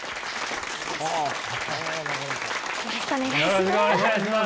よろしくお願いします。